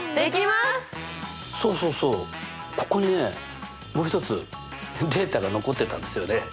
そうそうそうここにねもう一つデータが残ってたんですよね。